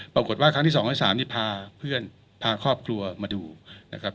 ปรากฏว่าครั้งที่๒๐๓นี่พาเพื่อนพาครอบครัวมาดูนะครับ